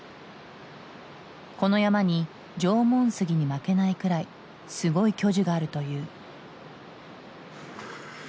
この山に縄文杉に負けないくらいすごい巨樹があるという。